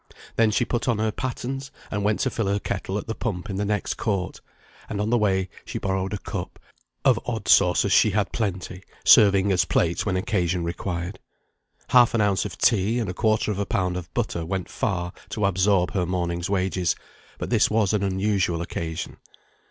Then she put on her pattens, and went to fill her kettle at the pump in the next court, and on the way she borrowed a cup; of odd saucers she had plenty, serving as plates when occasion required. Half an ounce of tea and a quarter of a pound of butter went far to absorb her morning's wages; but this was an unusual occasion.